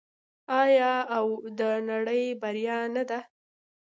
آیا او د نړۍ بریا نه ده؟